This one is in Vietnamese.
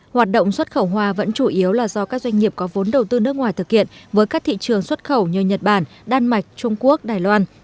hoạt động xuất khẩu hoa vẫn chủ yếu là do các doanh nghiệp có vốn đầu tư nước ngoài thực hiện với các thị trường xuất khẩu như nhật bản đan mạch trung quốc đài loan